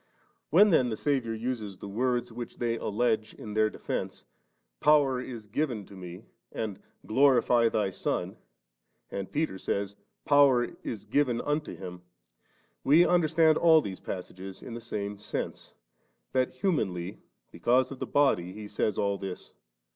415 When then the Saviour uses the words which they all^e in their defence, * Power is given to Me,* and, * Glorify Thy Son,* and Peter says, * Power is given unto Him,' we imderstand all these passages in the same sense, that humanly because of the body He says all this.